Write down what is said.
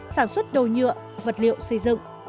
sản xuất đồ nhựa vật liệu xây dựng